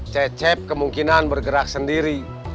cecep kemungkinan bergerak sendiri